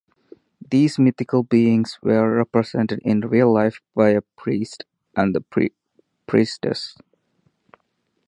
These mythical beings were represented in real life by a priest and a priestess.